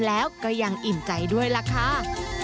แล้วก็ยังอิ่มใจด้วยล่ะค่ะ